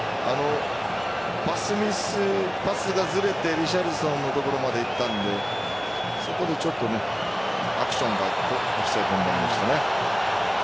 パスミス、パスがずれてリシャリソンの所までいったんでそこでちょっとアクションがあってオフサイドになりましたね。